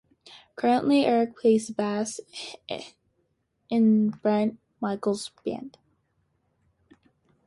Currently, Eric plays bass in the Bret Michaels Band.